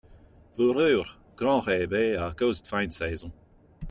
Fourrures, grand rabais à cause de fin de saison.